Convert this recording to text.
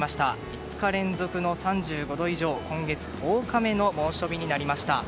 ５日連続の３５度以上今月１０日目の猛暑日になりました。